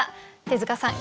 手塚さん